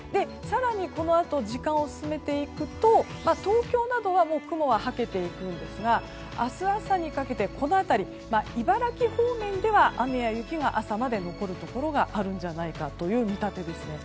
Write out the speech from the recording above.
更に、このあと時間を進めていくと東京などは雲は、はけていくんですが明日朝にかけて、茨城方面では雨や雪が朝まで残るところがあるんじゃないかという見立てです。